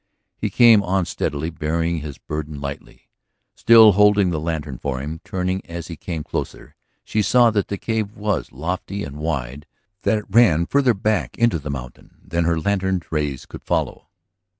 He came on steadily, bearing his burden lightly. Still holding the lantern for him, turning as he came closer, she saw that the cave was lofty and wide, that it ran farther back into the mountain than her lantern's rays could follow.